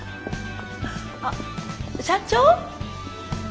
あっ社長！